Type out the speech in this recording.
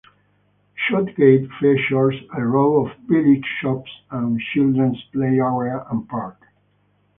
Shotgate features a row of village shops and a children's play area and park.